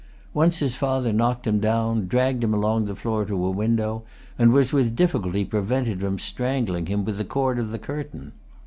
Once his father knocked him down, dragged him along the floor to a window, and was with difficulty prevented from strangling him with the cord of the curtain.